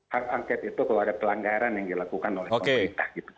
hak angket itu kalau ada pelanggaran yang dilakukan oleh pemerintah